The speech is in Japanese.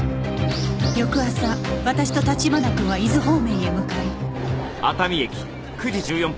翌朝私と立花君は伊豆方面へ向かい